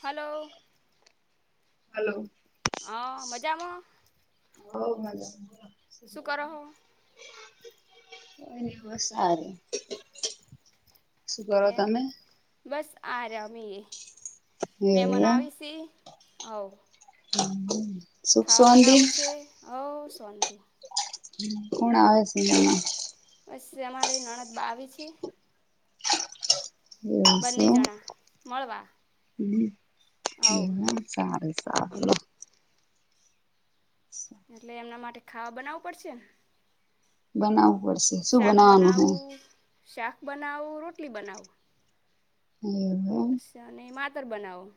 હાલો. Hello. હ મજામાં હો મજામાં શું કરો હો કયની બસ સારો એમ બસ આ રમીયે એવું મેમાન એમ આવીશી ઓવ. [inaudible] ખાવા શાંતિ બનાવું છે, હો શોંતિ હમમ કોણ આવે મેમાન અમારે નણદ બા આવે છે. એવું બંને શું જણા મળવા હવ એમ સારું સારું. એટલે એમના માટે ખાવા બનાવવું પડશે ને. બનાવવું પડશે શું શાક બનાવાનું હે? બનાવું શાક બનાવુ, રોટલી બનાવુ. હે એવું અચ્છા નહી માતર બનાવો.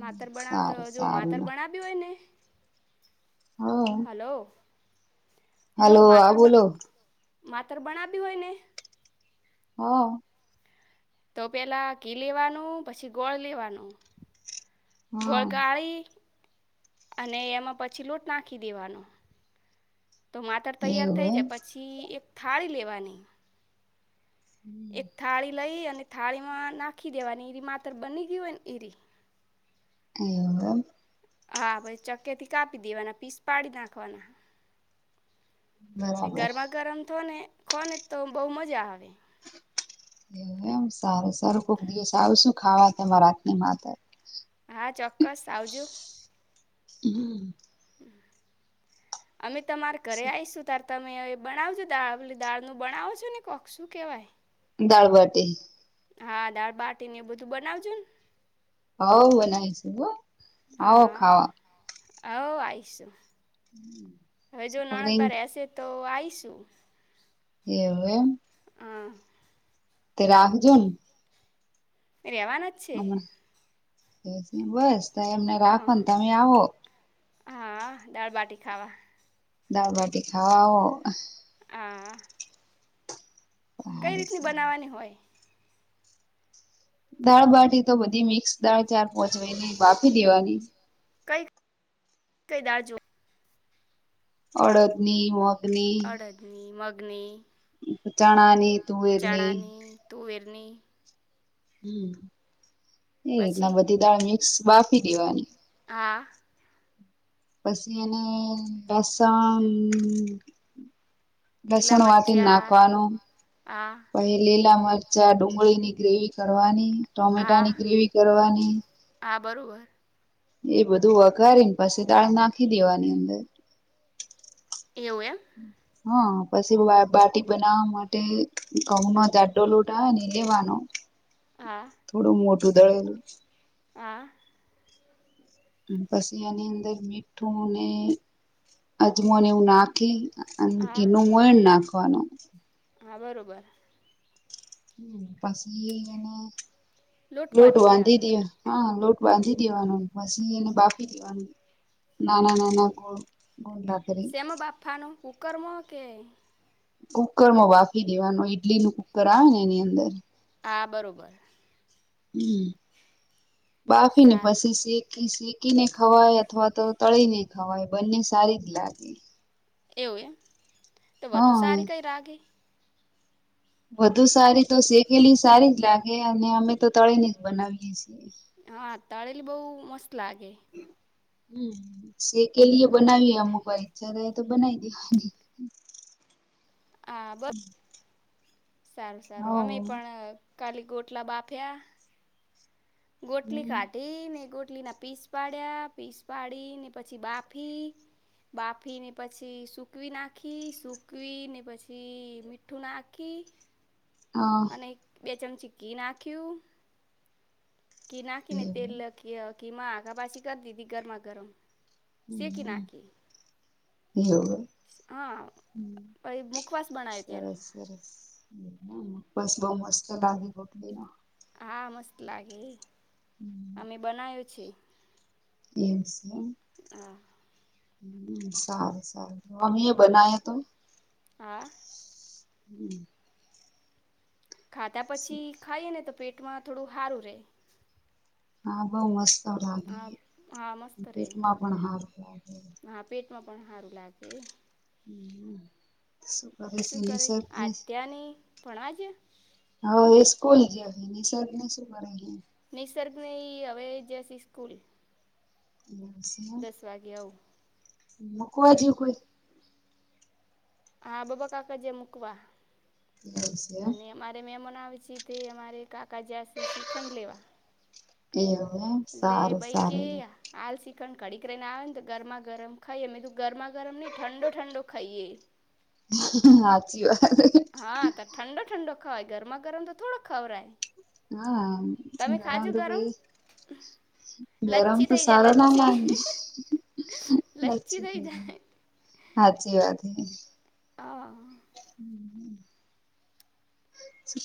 માતર એમ બણાવતો સારું જો સારું માતર લો બણાવ્યું હોય ને. હલો. જો હલો માતર હા બોલો. માતર બણાબી હોય ને. હા. તો પેલા ઘી લેવાનુ પછી ગોળ લેવાનું. હા ગોળ ગાળી. અને એમાં પછી લોટ નાખી દેવાનો. તો માતર તૈયાર થઈ એવું જાય પછી એક થાળી લેવાની. એક થાળી લઈ અને થાળી મા નાખી દેવાની એરી માતર બની ગય હોય ને એરી. એવુ એમ. હા પછી ચક્કે થી કાપી દેવાના પીસ પાડી નાખવાના. બરાબર ગરમા ગરમ થો ને ખો ને તો બહુ મજા આવે. એવુ એમ સારું સારું કોક દિવસ આવશુ ખાવા તમારા હાથની [unintelligible] હા ચોક્કસ આવજો હમ. અમે તમારે ઘરે આઈશું તાર તમે બણાવ જો દાળ દાળનું બણાવો છો ને કોક શું કેવાય? દાળબાટી. હા દાળબાટી ને એ બધું બનાવજો ને. હઉ બનાયશુ હો આવો ખાવા હ આઈશું હવે જો નણંદ સ્પરિંગ બારે સે તો આઈશ. શું? એવું એમ. હા. તે રાહુજન. મે રહેવાના જ છે. બસ એમને હા રાખો ને તમે આવો. હા દાળબાટી ખાવા. દાલબાટી ખાવા આવો. હા કઈ સારું રીતની સારું બનાવાની હોય? દાળબાટી તો બધી મિક્સ દાળ ચાર પહોચ વેરી બાફી દેવાની. કઈ કઈ દા જુ. અડદની મ અડદની મગની. ચણાની. તુવેરની ચણાની તુવેરની. હમ્મ એ રીતના પછી બધી દાળ મિક્સ બાફી દેવાની. હા પછી એને લસણ. લીલા લસણ વાટી મરચાં નાખવાનુ હા પહી લીલા મરચા ડુંગળીની ગ્રેવી કરવાની હા ટોમેટાની ગ્રેવી કરવાની. હા બરોબર. એ બધું વઘારીન પસી દાળ નાખી દેવાની અંદર. એવુ એમ. હા પછી બાટી બનાવવા માટે ઘઉ ન જાડો લોટ આવે ને લેવાનો. હા થોડું મોટું દળેલું. હા. પછી એની અંદર મીઠું ને અજમોને એવુ નાખી. આ હા કે નું મોયણ નાખવાનુ. હા બરોબર હ પછી એ એને લોટ બાંધી દેવાનો વાંધી [unintelligible] હા લોટ બાંધી દેવાનું પછી એને બાફી દેવાનું નાના નાના ગોંડલા કરી શેમબાફા નુ કુકરમ કે કુકરમાં બાફી દેવાનું ઇડલી નું કુકર આવે ને એની અંદર હા બરોબર હમ બાફી ને સારું પછી શેકી શેકી કીને ખવાય અથવા તો તળી ને ખવાય બંને સારી જ લાગે એવું એ તો વધુ હા સારી કઈ રાગે વધુ સારી તો શેકેેલી સારી જ લાગે અને અમે તો તળી ને જ બનાવીએ છીએ હા તળેલી બો મસ્ત લાગે હમ સેકેલી બનાવીએ [unintelligible] [unintelligible] બનાય દેવાની હા બ સારું સારું અમે પણ કાલી ગોટલા બાફ્યા ગોટલી કાટી ને ગોટ ટલી ના પીસ પાડ્યા પીસ પાડીને પછી બાફી બાફી ને પછી સુકવી નાખી સુકવી ને પછી મીઠું નાખી [inaudible] હા. અને બે ચમચી ઘી નાખ્યું કે નાખીને તેલ એવું [unintelligible] આખ પાછી કરી દીધી ગરમા ગરમ સેકી નાખી એવું એ હા પહી મુખવાસ બનાવ્યો સરસ ત્યાંનો સરસ બસ બો મસ્ત લાગે ભોટલી ના હા મસ્ત લાગે અમે બનાવ્યો છે એમ છે હા હમ સારુ સારુ [unintelligible] તો હા હમ ખાધા પછી ખાઈએ ને તો પેટમાં થોડું હારું રે હા બોઉ મસ્ત લાગે હા હા મસ્ત રહે પેટમાં પણ હારું લાગે હા પેટમાં પણ હારું લાગે હમ શું કરે અત્યાની ભણવા ગીયો હા એ સ્કૂલ [unintelligible] નિસર્ગ ઈ અવે જ જસે સ્કૂલ એવું સે એમ દસ વાગ્યે આવું [unintelligible] કોઈ હા બાબા કાકા જાય મૂકવા એવું સે એમ અને મારે [unintelligible] પછી તે અમારે કાકા જસે શ્રીખંડ લેવા એવું હે એટલે સારું બઈ કે સારું એ [unintelligible] આવે ને તો ગરમા ગરમ ખાઈએ મેધું ગરમા ગરમ [unintelligible] ઠંડો ઠંડો ખાઈએ હાચી વાત હા તો ઠંડો ઠંડો ગરમા ગરમ તો થોડો ખવરાય તમે હા ખાજો ગરમ [unintelligible] ગરમ લચ્છી તો થઈ જાય સારો ના લચ્છી લાગે લચ્છી થઈ જાય હાચી વાત હે હા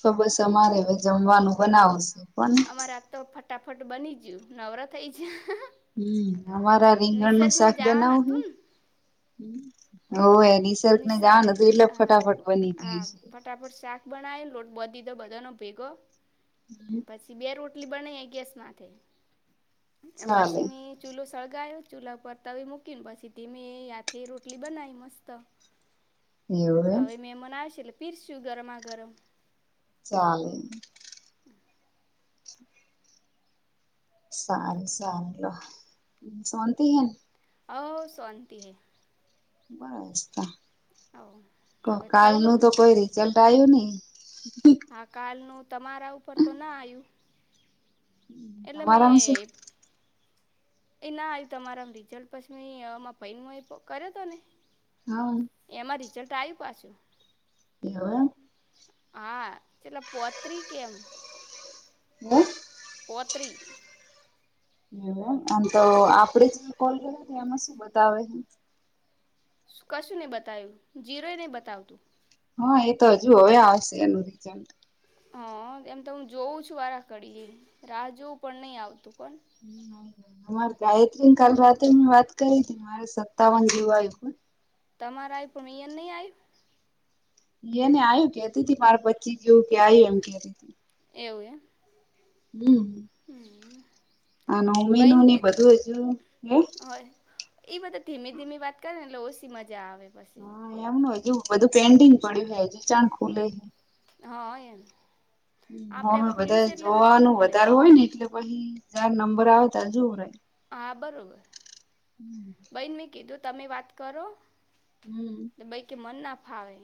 તો બસ અમારે હવે જમવાનું બનાવશે પણ અમારા તો ફટાફટ બની જીઉ નવરા થઈ જા હમ્મ અમારા રીંગણ નું નિસર્ગને શાક જવાનું બનાવ હુ હતું [unintelligible] નિશાળે હા હા ગયું છે ફટાફટ શાક બનાવીન લોટ બધી તો બધાનો ભેગો પછી બે રોટલી બના ગેસમાંથે એમ ચાલે પછી મી ચૂલો સળગાયું ચૂલા ઉપર તવી મૂકી ને પછી ધીમે આતી રોટલી બનાવી મસ્ત એવું એમ હવે મેમાન આવશે એટલે પીરશું ગરમા ગરમ ચાલે સારુ સારુ લો શાંતિ હે ન? હો શાંતિ હે. બસ હવ ક હવે ખાઈ લો કાલનું તો કોઈ રિઝલ્ટ આવ્યું નહી. હા કાલનું તમારા ઉપર તો ના આયુ તમારામ શું એ ના આયુ તમારા રીઝલ્ટ પછમી અહ એમાં ફઇન હોય તો કરે તો ને હા એમાં રિઝલ્ટ આવ્યું પાછું એઉ એમ હા ચલા પોત્રી કેમ હમ પથ્રી એમ એમ તો આપડે જે કોલ કરે તે એમાં શું બતાવે હે? કશું નહી બતાવ્યું જીરો એ નહી બતાવતું હા એ તો હજુ હવે આવશે એનું રિઝલ્ટ હ એમ તો હું જોઉં છું વારા ઘડીએ રાહ જોવું પણ નહી આવતું કોણ હમ્મ અમારે ગાયત્રીને કાલ રાત્રે મેં વાત કરી હતી ને મારે સત્તાવન જેઉ આયવું હે. તમારે આય પણ મિયન નહી આયુ એને આવ્યું કેતી તી મારા પચ્ચી જેવું કે આવ્યું એમ કેતી તી કેવુંએ હમ્મ આનું ઉમી બહેન નું કીધું બધું હજુ ઈ બધા ધીમી ધીત કરે ને એટલે ઓછીમાં જ હા એમનું હજુ બધું પેન્ડિંગ પડ્યું હે હજી ચાણ ખુલે હે હા એમ આપણે આ હ ખુલ્યું બધા છે એટલે હટ જોવાનું ખુલે વધારેું હોય ને એટલે પહી જયાર નંબર આવે ત્યારે જોવું રહે હા બરોબર બઈ મેં કીધું તમે વાત કરો ભાઈ કે મને ના ફાવે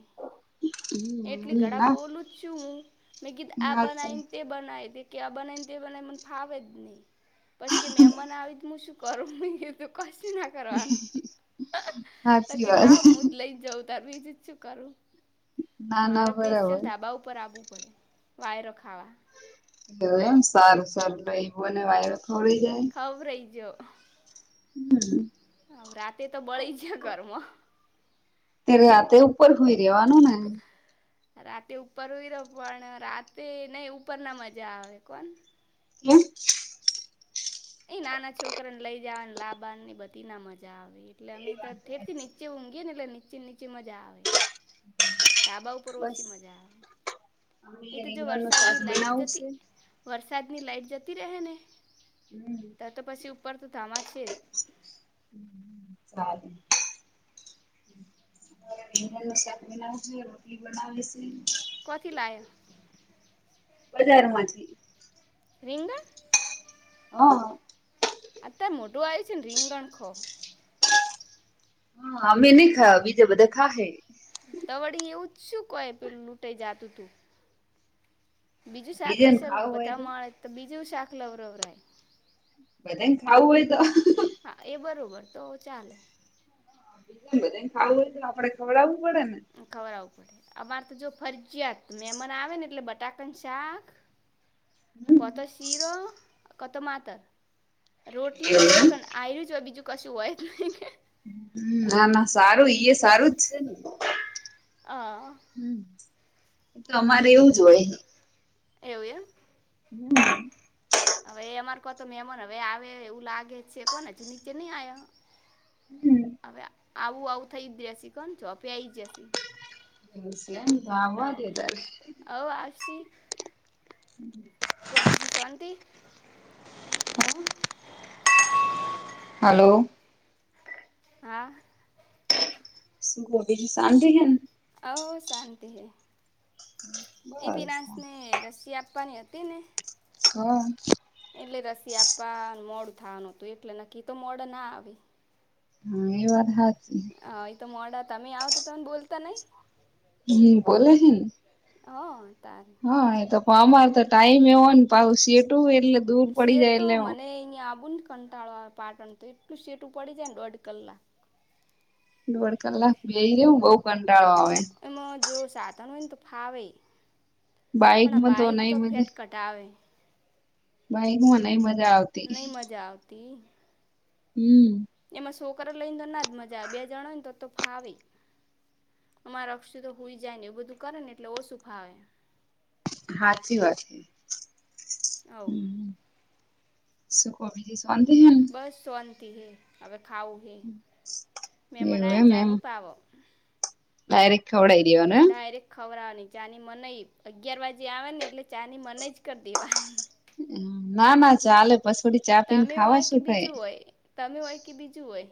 એટલી હમ ઘડા ના બોલું જ છું હું મેં ગીધ આ હાચી બનાઈન તે બનાઈ દે કે આ બનાય ને તે બના મને ફાવે જ નહી પસ કે મે બનાવી શું કરું મી કે તું કશુંના કરવાનું તો હાચી વાત કેલા આ મુદ લઈ જઉં તો બીજું શું કરું ના ના મારે પેશિયલ બરાબર ધાબા ઉપર આવું પડે વાયર ખાવા [unintelligible] એમ સારું સારું લઈ હોને વાય ખવરેજો હમ્મ હમ્મ રાતે તો બળી જ ઘરમાં તે રાતે ઉપર હુઈ રેવાનું ન રાતે ઉપર હુઈ રહ્યો પણ રાતે નઈ ઉપર ના મજા આવે કોણ કેમ એ નાના છોકરાને, લઈ જવાને લાબવા ને બધી ના મજા આવે એટલે અમે તો ઠેર થી નીચે, ઊંઘીય ને એટલે નીચે નીચે મજા આવે તાબા ઉપર ઓછી, મજા આવે એ તો જો વરસાદની લાઈટ જતી, વરસાદની લાઈટ જતી રહે ને ત તો પછી ઉપર, તો ધામા છે જ શખના રોટલી બનાવે છે. કોથી લાયો બજારમાંથી રીંગા હા આત્યારે મોઢું આવી છે, રીંગગણ ખો હા અમે નઈ ખા બીજા બધા ખા છે. તવળી એવુ જ શુ કહે, પેલું લૂંટેાઈ જાતુ તુ બીજું શાક બીજાને હશે, ખાવું હોય બધા મળે તો બીજું શાક લવરવરાય બ ખાવું હોય, તો હા એ બરોબર તો ચાલે જ બધા ખાવું હોય, તો આપડે ખવડાવવું પડે ને ખવડાવવું પડે અમારે તો જો ફરજયાત મેમાન આવે ને એટલે બટાકાનું શાક કતો શિરો કતો માતર રોટલીન એવું એમ શીખન આ્યું જ હોય બીજું કશું હોય જ નહી કે ના-ના સારુ-સારુજ છે, ને હા હમ, એ તો અમારે એવું જો હોય એવુ, એમ હમ હવે, એ અમાર કોતો મેમ ને હવે આવે એવું લાગે છે, કોને નીચે નઈ આવ્યા હવે, આવુ- આવુ થઈ જ રહસી કોણ છો અ આઈ જસી હસ, આવા દ ત્યારે આવો આવશે તો બીજી શાંતિ હલો હા ગોટી, જ સાી હ ઓ શાંતિ હૈ, એ બસ વિરાસ ને રશિયા પણણી હોત ન હા એટલે રસી આપવા મોડ થવાનું હતુ, એટલે નકી તો મોડ ના આવી હા, એ વાત હા હા, એ તો મોડા તમે આવ તો તને બોલતા નહી હમ, બ છેન હ તારે હા, એ તો પણ અમારે તો ટાઈમ એવો ને પાવ સટુ સટો, મ આબુ કંટાળવા પાટણ, તો એટલું સેટું પડી જાય ને દોઢ કલાક દોઢ કલાક બે રવ બહ કંટાળો આવે. એમાં જો સાધન હોય ને તો ફાવે પણ બાઈક તો ફેટ કટાવે ભાઈ મનાઈ મ નહી, મજા આવતી હમ એમાં છોકરા, લઈ ને તો ના જ મજા બે જણ હોય, ને તો તો ફાવે અમા અક્ષ તો હોઈ, જાય ને એવું બધું કરે ને એટલે ઓછું ફાવે હાચી વાત છે હવ હમ સુ કો બીજી શૌતિ હૈ બસ શૌતિ હૈ અગ ખાઉ હું ને મેંમોન એવું આયા એમ ચા એમ ની પાવ ડાયરેક્ટ ખવડાવી દેવાનું એમ. ખવરાવાની ચાની મનઈ અગિયાર વાજે આવે ને એટલે ચાની મનઇજ કરી દેવાની. ના ના ચાલે. પસોડી ચા પીને તમે ખાવા હોય કે શું કઈ બીજું હોય તમે હોય કે બીજું હોય.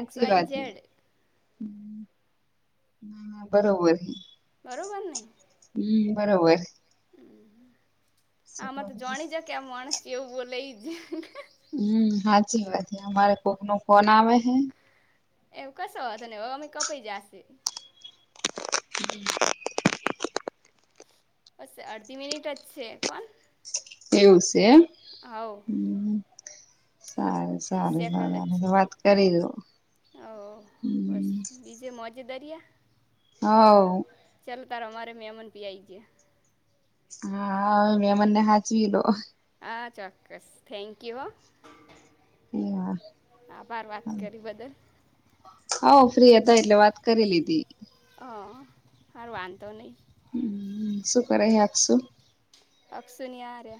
એક્સ વાય વાત હે. ઝેડ ના ના બરોબર. બરોબર ને. હમ બરોબર. આમાં તો જોણી જા કે આમ મોણસ કેવું બોલે ઇ હમ સાચી વાત અમારે કોક નો ફોન આવે હે. એવું કશો વોન્ધો નઇ અમે આમય કપાઈ જાશે. [inaudible] અસ અડધી મનિટ જ છે હોન એવું સે એમ. આવ સારુ, સારુ, સાર તો વાત કરી લો ઓ બસ બીજે, મોજે એ દારિયા હ, હાઓ તાર અમારે મેમન બી આઈ જ્યા હા હવે મેમોન ને હાચવી લો હા ચોક્કસ થેન્ક યુ હો. આભાર વાત કરી બદલ. હાઓ ફ્રી હતા એટલે વાત કરી લીધી. હર વાંધો નહી. હ શું કરે આપશું. અપસનિયારે.